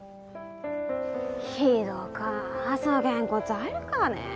ひどかーそげんこつあるかね？